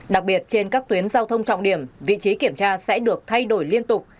đặc biệt trên các tuyến giao thông trọng điểm vị trí kiểm tra sẽ được thay đổi liên tục